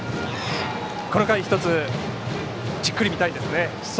この回１つじっくり見たいですね。